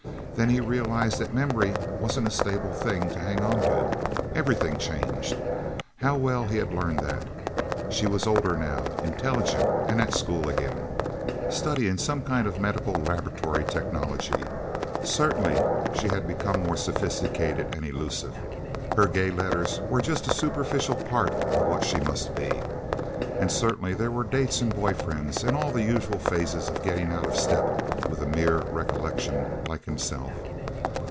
Then he'd realize that memory wasn't a stable thing to hang onto. Everything changed how well he had learned that! She was older, now, intelligent, and at school again, studying some kind of medical laboratory technology. Certainly she had become more sophisticated and elusive her gay letters were just a superficial part of what she must be. And certainly there were dates and boyfriends, and all the usual phases of getting out of step with a mere recollection, like himself.